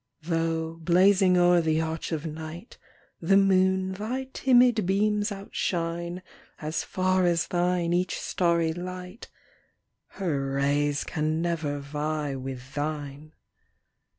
Though, blazing o'er the arch of night, The moon thy timid beams outshine As far as thine each starry light ; ŌĆö Her rays can never vie with thine.